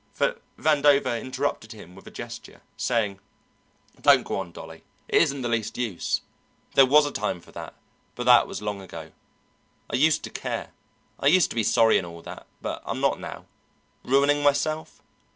But Vandover interrupted him with a gesture, saying, "Don't go on, Dolly; it isn't the least use. There was a time for that, but that was long ago. I used to care, I used to be sorry and all that, but I'm not now. Ruining myself?